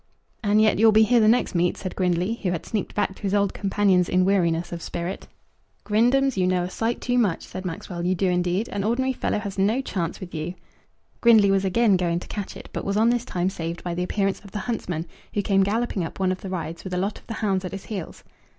"And yet you'll be here the next meet," said Grindley, who had sneaked back to his old companions in weariness of spirit. "Grindems, you know a sight too much," said Maxwell; "you do indeed. An ordinary fellow has no chance with you." Grindley was again going to catch it, but was on this time saved by the appearance of the huntsman, who came galloping up one of the rides, with a lot of the hounds at his heels.